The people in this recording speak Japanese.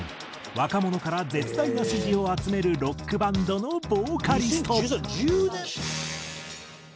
若者から絶大な支持を集めるロックバンドのボーカリスト。